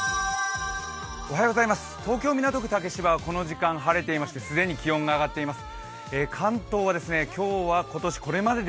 東京・港区竹芝はこの時間晴れていまして既に気温が上がっています。